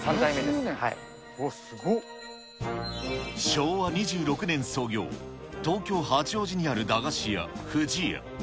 昭和２６年創業、東京・八王子にある駄菓子屋、ふじや。